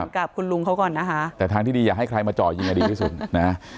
กับคุณลุงเขาก่อนนะคะแต่ทางที่ดีอยากให้ใครมาเจาะยิงอ่ะดีที่สุดนะฮะ